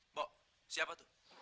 mbak siapa itu